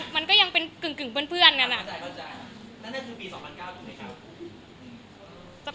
มันก็ยังเป็นกึ่งเพื่อนกันอะ